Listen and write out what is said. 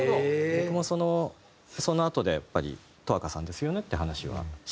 僕もそのそのあとでやっぱり十明さんですよねって話はしました。